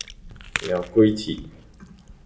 枵鬼鐵